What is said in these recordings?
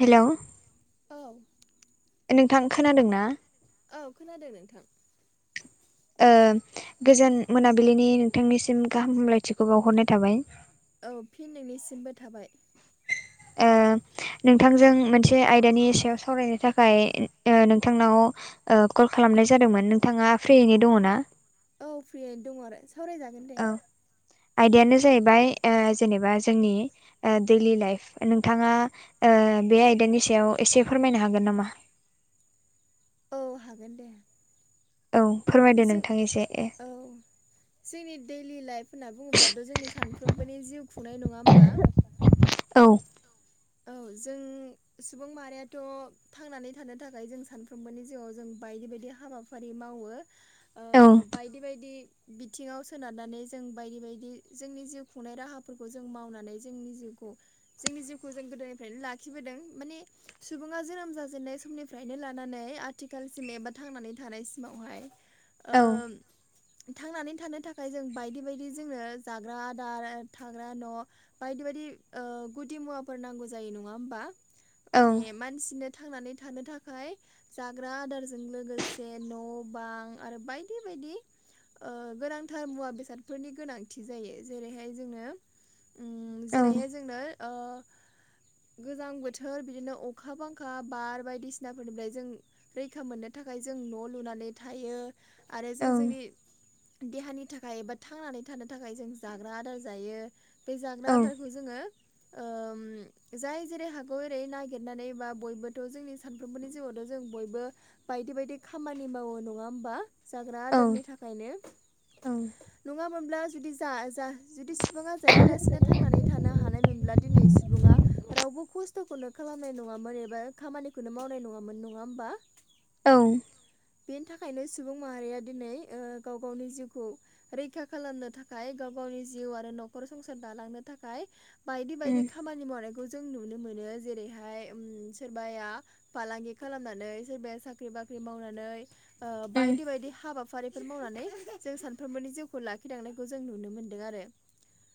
Hello औ नोंथां खोनादों ना? औ खोनादों नोंथां ओ गोजोन मोनाबिलिनि नोंथांनिसिम गाहाम हामलायथिखौ बावहरनाय थाबाय। औ फिन नोंनिसिमबो थाबाय। ओ नोंथांजों मोनसे आयदानि सायाव सावरायनो थाखाय ओ नोंथांनाव कल खालामनाय जादोंमोन नोंथाङा फ्रियैनो दङ ना? औ फ्रियैनो दङ आरो सावरायजागोन दे। औ आयदायानो जाहैबाय ओ जेनेबा जोंनि ओ दैलि लाइफ नोंथाङा ओ बे आयदानि सायाव एसे फोरमायनो हागोन नामा। औ हागोन दे। औ फोरमायदो जों नोंथां एसे ए औ जोंनि दैलि लाइफ होनना बुङोब्लाथ' जोंनि सानफ्रोमबोनि जिउ खुंनाय नङा होमबा। औ औ जों सुबुं माहारियााथ' थांनानै थानो थाखाय जों सानफ्रोमबोनि जिउआव जों बायदि बायदि हाबाफारि मावो ओ औ बायदि बायदि बिथिङाव सोनारनानै जों बायदि बायदि जोंनि जिउ खुंनाय राहाफोरखौ जों मावनानै जोंनि जिउखौ जोंनि जिउखौ जों गोदोनिफ्रायनो लाखिबोदों माने सुबुङा जोनोम जाजेननाय समनिफ्रायनो लानानै आथिखालसिम एबा थांनानै थानायसिमावहाय औ ओम थांनानै थानो थाखाय जों बायदि बायदि जोङो जाग्रा आदार थाग्रा न' बायदि बायदि ओ गुदि मुवाफोर नांगौ जायो नङा होमबा औ माने मानसिनो थांनानै थानो थाखाय जाग्रा आदारजों लोगोसे न' बां आरो बायदि बायदि ओ गोनांथार मुवा बेसादफोरनि गोनांथि जायो जेरैहाय जोंनो उम औ जेरैहाय जोंनो ओ गोजां बोथोर बिदिनो अखा बांखा बार बायदिसिनाफोरनिफ्राय जों रैखा मोननो थाखाय जों न' लुनानै थायो आरो जों जोंनि औ देहानि थाखाय एबा थांनानै थानो थाखाय जों जाग्रा आदार जायो बे जाग्रा आदारखौ जोङो ओम जाय जेरै हागौ एरै नागिरनानै बा बयबोथ' जोंनि सानफ्रोमबोनि जिउआवथ' जों बयबो बायदि बायदि खामानि मावो नङा होमबा जाग्रा औ आदारनि थाखायनो नङामोनब्ला जुदि जा जा जुदि सुबुङा जायालासेनो थांनानै थानो हानायमोनब्ला दिनै सुबुङा रावबो खस थ'खौनो खालामनाय नङामोन एबा खामानिखौनो मावनाय नङामोन नङा होमबा। औ बेनि थाखायनो सुबुं माहारिया दिनै ओ गाव गावनि जिउखौ रैखा खालामनो थाखाय गाव गावनि जिउ आरो न'खर संसार दालांनो थाखाय बायदि बायदि उम खामानि मावनायखौ जों नुनो मोनो जेरैहाय उम सोरबाया फालांगि खालामनानै सोरबाया साख्रि बाख्रि मावनानै ओ उम बायदि बायदि हाबाफारि फोर मावनानै जों सानफ्रोमबोनि जिउखौ लाखिलांनायखौ जों नुनो मोनदों आरो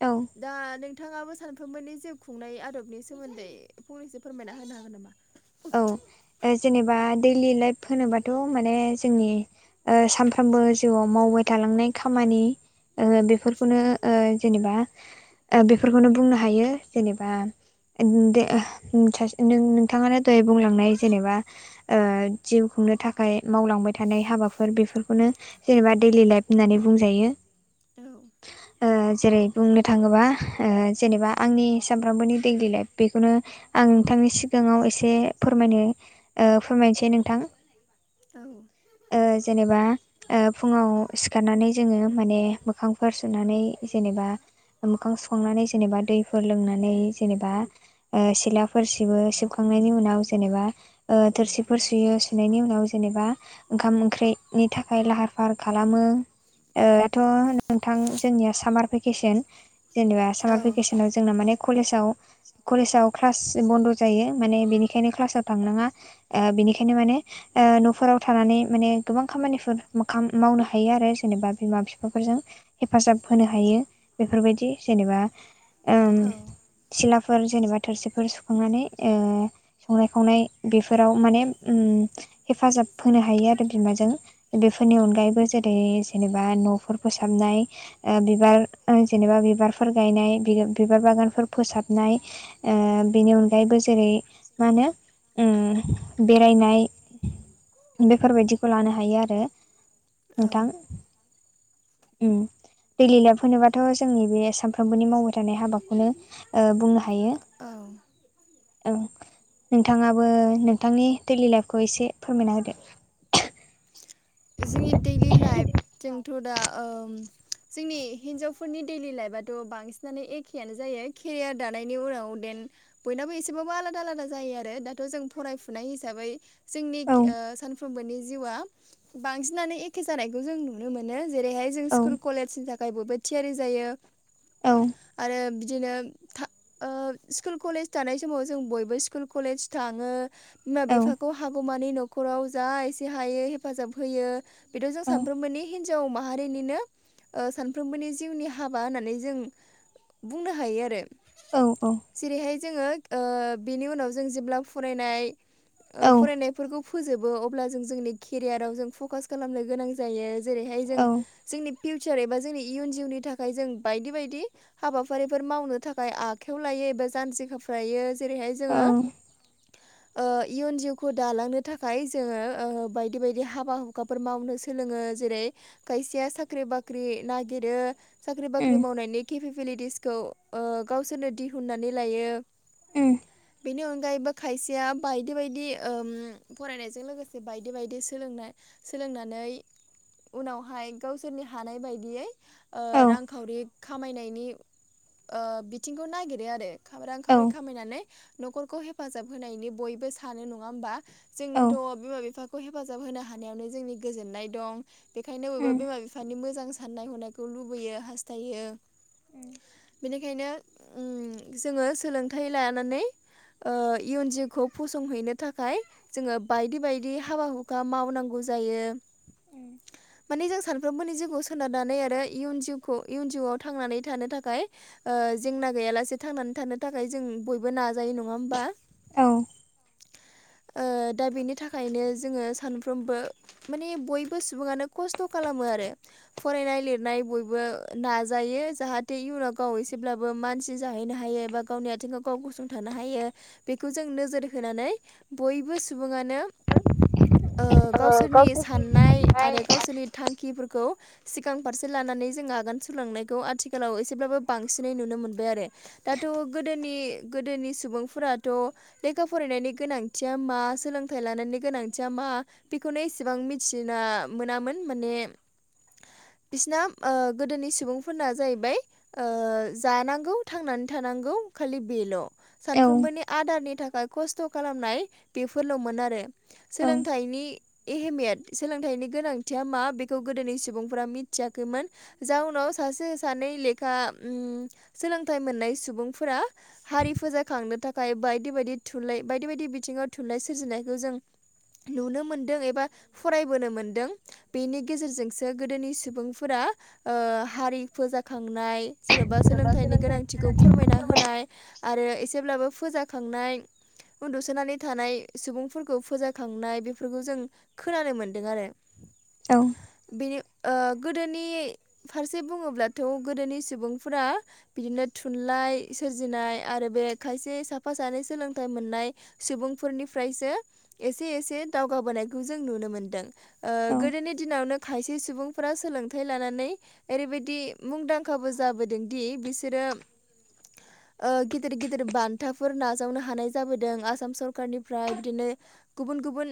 औ दा नोंथाङाबो सानफ्रोमबोनि जिउ खुंनाय आदब नि सोमोन्दै फंनैसो फोरमायना होनो हागोन नामा? औ जेनेबा दैलि लाइफ होनोबाथ' माने जोंनि ओ सानफ्रोमबो जिउआव मावबाय थालांनाय खामानि ओ बेफोरखौनो ओ जेनेबा ओ बेफोरखौनो बुंनो हायो जेनेबा ससे नोंथाङानो [unintelligible] बुंलांनाय जेनेबा ओ‌ जिउ खुंनो थाखाय मावलांबाय थानाय हाबाफोर बेफोरखौनो जेनेबा दैडलि लाइफ होननानै बुंजायो औ ओ जेरै बुंनो थाङोबा जेनेबा आंनि सानफ्रोमबोनि दैडलि लाइफ बेखौनो आं नोंथांनि सिगाङाव एसे फोरमायनो फोरमायनोसै नोंथां औ ओ जेनेबा ओ फुङाव सिखारनानै जोङो माने मोखांफोर सुनानै जेनेबा मोखां सुखांनानै जेनेबा दैफोर लोंनानै जेनेबा सिलाफोर सिबो सिब नि उनाव जेनेबा थोरसिफोर सुयो सुनायनि उनाव जेनेबा ओंखाम ओंख्रिनि थाखाय लाहार फाहार खालामो ओ‌ थ नोंथां जोंनिया सामार भेकेसन जेनेबा औ सामार भेकेसनाव जोंना माने कलेजाव कलेजाव क्लास बन्द' जायो माने बिनिखायनो क्लासाव थांनाङा ओ बिनिखायनो माने ओ न'फोराव थानानै माने गोबां खामानिफोर मोखां मावनो हायो आरो जेनेबा बिमा बिफाफोरजों हेफाजाब होनो हायो बेफोरबायदि जेनेबा उम औ सिलाफोर जेनेबा थोरसिफोर सुखांनानै ओ संनाय खावनाय बेफोराव माने उम हेफाजाब होनो हायो आरो बिमाजों बेफोरनि अनगायैबो जेरै जेनेबा न'फोर फोसाबनाय ओ बिबार जेनेबा बिबारफोर गायनाय बिबार बागानफोर फोसाबनाय ओ बेनि अनगायैबो जेरै मा होनो उम बेरायनाय बेफोरबायदिखौ लानो हायो आरो औ नोंथां उम दै ल लाप होनोबाथ' जोंनि बे सामफ्रोमबोनि मावबाय थानाय हाबाखौनो ओ बुंनो हायो औ ओं नोंथाङाबो नोंथांनि दैलि लाइफखौ एसे फोरमायना होदो जोंनि दैलि लाइफ जोंथ' दा उम जोंनि हिनजावफोरनि दैलि लाइफआथ' बांसिनानो एखेयानो जायो केरियार दानायनि उनाव देन बयनाबो एसेबाबो आलादा आलादा जायो आरो दाथ' जों फरायफुनाय हिसाबै जोंनि औ ओ सानफ्रोमबोनि जिउआ बांसिनानो एखे जानायखौ जों नु नुनो मोनो जेरैहाय जों औ स्कुल कलेजनि थाखाय बयबो थियारि जायो औ आरो बि बिदिनो था ओ स्कुल कलेज थानाय समाव जों बयबो स्कुल कलेज थाङो बिमा औ बिफाखौ हागौमानि न'खराव जा एसे हायो हेफाजाब होयो बेथ जों सानफ्रोमबोनि हिनजाव माहारिनिनो ओ सानफ्रोमबोनि जिउनि हाबा होननानै जों बुंनो हायो आरो औ औ जेरैहाय जोङो ओ बेनि उनाव जों जेब्ला फरायनाय ओ औ फरायनायफोरखौ फोजोबो अब्ला जों जोंनि केरियाराव जों फकास खालामनो गोनां जायो जेरैहाय जों औ जोंनि फिउचार एबा जोंनि इयुन जिउनि थाखाय जों बायदि बायदि हाबाफारिफोर मावनो थाखाय आखाइायाव लायो एबा जान्जि खाफ्रायो जेरैहाय औ जोङो ओ इयुन जिउखौ दालांनो थाखाय जोङो ओ बायदि बायदि बायदि हाबा हुखाफोर मावनो सोलोङो जेरै खायसेया साख्रि बाख्रि नागिरो साख्रि बाख्रि उम मावनायनि केपिबिलिटिसखौ ओ गावसोरनो दिहुननानै लायो उम बेनि अनगायैबो खायसेया बायदि बायदि‌ ओम फरायनायजों लोगोसे बायदि बायदि सोलोंनाय सोलोंनानै उनावहाय गावसोरनि हानाय बायदियै ओ औ रांखावरि खामायनायनि ओ बिथिंखौ नागिरो आरो खाव रां औ खावरि खामायनानै न'खरखौ हेफाजाब होनायनि बयबो सानो नङा होमबा औ जोंथ' बिमा बिफाखौ हेफाजाब होनो हानायावनो जोंनि गोजोननाय दं बेखायनो बबेबा उम बिमा बिफानि मोजां साननाय हनायखौ लुबैयो हास्थायो उम बेनिखायनो उम जोङो सोलोंथाइ लानानै ओ इयुन जिउखौ फसंहैनो थाखाय जोङो बायदि बायदि हाबा हु हुखा मावनांगौ जायो [inaudible] माने जों सानफ्रोमबोनि जिउखौ सोनारनानै आरो इयुन जिउखौ इयुन जिउआव थांनानै थानो थाखाय ओ जेंना गैयालासे थांनानै थानो थाखाय जों बयबो नाजायो नङा होमबा औ ओ दा बेनि थाखायनो जोङो सानफ्रोमबो माने बयबो सुबुङानो खस्थ' खालामो आरो फरायनाय लिरनाय बयबो नाजायो जाहाथे इयुनाव गाव एसेब्लाबो मानसि जाहैनो हायो एबा गावनि आथिङाव गाव गसंथानो हायो बेखौ जों नोजोर होनानै बयबो सुबुङानो ओ गावसोरनि साननाय आरो गावसोरनि थांखिफोरखौ सिगां फारसे लानानै जों आगान सुरलांनायखौ आथिखालाव एसेब्लाबो बांसिनै नुनो मोनबाय आरो दाथ' गोदोनि गोदोनि सुबुंफोराथ' लेखा फरायनायनि गोनांथिया मा सोलोंथाइ लानायनि गोनां थिया मा बेखौनो एसेबां मिथिना मोनामोन माने बिसिना ओ गोदोनि सुबुंफोरना जाहैबाय ओ जानांगौ थांनानै थानांगौ खालि बेल' औ सानफ्रोमबोनि आदारनि थाखाय खस्थ' खालामनाय बेफोरल'मोन आरो औ सोलोंथाइनि एहेमियट सोलोंथाइनि गोनांथिया मा बेखौ गोदोनि सुबुंफोरा मिथियाखैमोन जाउनाव सासे सानै लेखा उम सोलोंथाइ मोननाय सुबुंफोरा हारि फोजाखांनो थाखाय बायदि बायदि थुनलाइ बायदि बायदि बिथिङाव थुनलाइ सोरजिनायखौ जों नुनो मोनदों एबा फरायबोनो मोनदों बेनि गेजेरजोंसो गोदोनि सुबुंफोरा ओ हारि फोजाखांनाय जेन'बा सोलोंथाइनि गोनांथिखौ फोरमायना होनाय आरो एसेब्लाबो फोजाखांनाय उन्दुसोनानै थानाय सुबुंफोरखौ फोजा खांनाय बेफोरखौ जों खोनानो मोनदों आरो औ बेनि ओ गोदोनि फारसे बुङोब्लाथ' गोदोनि सुबुंफोरा बिदिनो थुनलाइ सोरजिनाय आरो बे खायसे साफा सानै सोलोंथाइ मोननाय सुबुंफोरनिफ्रायसो एसे एसे दावगाबोनायखौ जों नुनो मोनदों ओ औ गोदोनि दिनावनो खायसे सुबुंफोरा सोलोंथाइ लानानै ओरैबायदि मुंदांखाबो जाबोदोंदि बिसोरो [inaudible] ओ गिदिर गिदिर बान्थाफोर नाजावनो हानाय जाबोदों आसाम सरखारारनिफ्राय बिदिनो गुबुन गुबुन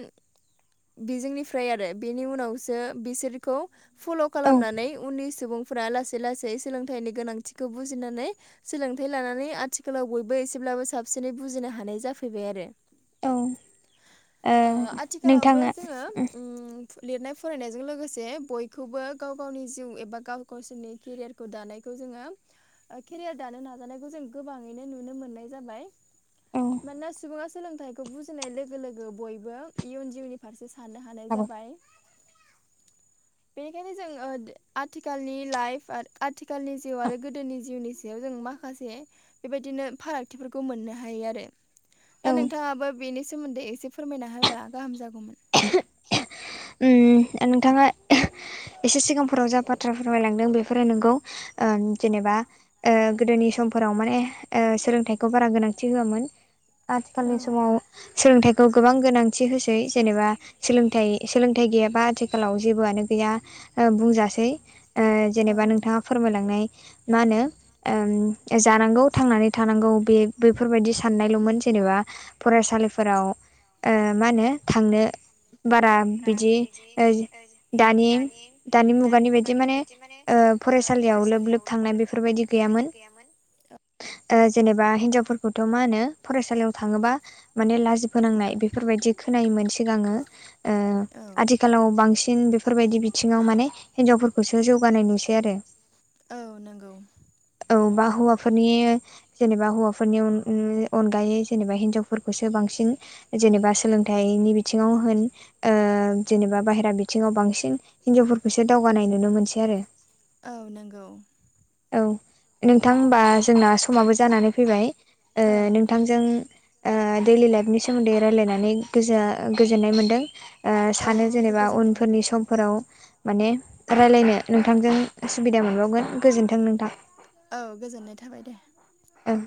बिजोंनिफ्राय आरो बेनि उनावसो बिसोरखौ फल' औ ओ खालामनानै उननि सुबुंफोरा लासै लासै सोलोंथाइनि गोनांथिखौ बुजिनानै सोलोंथाइ लानानै आथिखालाव बयबो एसेब्लाबो साबसिनै बुजिनो हानाय जाफैबाय आरो औ ओ आथिखालावबो जोंङो औ उम लिरनाय फरायनायजों लोगोसे बयखौबो गाव गावनि जिउ एबा गाव गावसोरनि केरियार दानायखौ जोंङो केरियार दानो नाजानायखौ जों गोबाङैनो नुनो मोननाय जाबाय। औ मानोना सुबुङा सोलोंथाइखौ बुजिनाय लोगो लोगो बयबो इयुन जिउनि फारसे साननो हानाय जाबाय। बेनिखायनो जों ओ आथिखालनि लाइफ आ आथिखालनि जिउ आरो गोदोनि जिउनि याव जों माखासे बेबायदिनो फारागथिफोरखौ मोननो हायो आरो दा उम नोंथाङाबो बेनि सोमोन्दै एसे फोरमायना होबा गाहाम जागौमोन। उम नोंथाङा एसे सिगांफोराव जाबाद बाथ्रा फोरमायलांदों बेफोरो नोंगौ। ओ जेनेबा ओ गोदोनि समफोराव माने ओ सोलोंथाइखौ बारा गोनांथि होआमोन। औ आथिखालनि समाव सोलोंथाइखौ गोबां गोनांथि होसै जेनेबा सोलोंथाइ सोलोंथाइ गैयाबा आथिखालाव जेबोआनो गैया ओ बुंजासै ओ औ जेनेबा नोंथाङा फोरमायलांनाय मा होनो ओं जानांगौ थांनानै थानांगौ बे बैफोरबायदि साननायल'मोन जेनेबा फरायसालिफोराव ओ मा होनो थांनो बारा बिदि ऐ दानि दानि मुगानि बायदि माने ओ फरायसालियाव लोब लोब थांनाय बेफोरबायदि गैयामोन गामोन ओ जेनेबा हिनजावफोरखौथ' मा होनो फरायसालियाव थाङोबा माने लाजिबोनांनाय बेफोरबायदि खोनायोमोन सिगाङो ओ औ आथिखालाव बांसिन बेफोरबायदि बिथिङाव माने हिनजावफोरखौसो जौगानाय नुसै आरो। औ नंगौ। औ बा हौवाफोरनि जेनेबा हौवाफोरनि अनयश अनगायै जेनेबा हिनजावफोरखौसो बांसिन जेनेबा सोलोंथाइनि बिथिङाव होन ओ जेनेबा बाहेरा बिथिङाव बांसिन हिनजावफोरखौसो दावगानाय नुनो मोनसै आरो औ नंगौ। औ नोंथां ओमबा जोंना समाबो जानानै फैबाय ओ औ नोंथां। जों ओ दैइलि लाइफनि सोमोन्दै रायलायनानै गोजोआ गोजोननाय मोन्दों। ओ औ सानो आंबो जेनेबा गोजोननाय उनफोरनि मोनबाय सम फोराव माने राय्लायनो नोंथांजों सुबिदा मोनबावगोन। गोजोन्थों नोंथां औ गोजोननाय थाबाय दे ओं